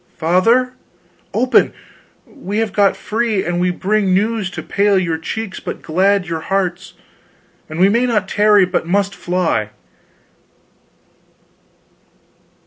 Father! Open we have got free, and we bring news to pale your cheeks but glad your hearts; and we may not tarry, but must fly!